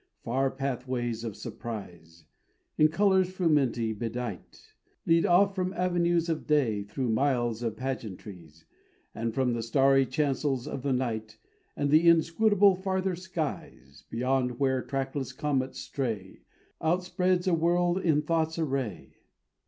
Far pathways of surprise, In color's frumenty bedight, Lead off from avenues of day Through miles of pageantries: And from the starry chancels of the night And the inscrutable farther skies, Beyond where trackless comets stray, Outspreads a world in thought's array.